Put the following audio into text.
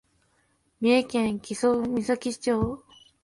三重県木曽岬町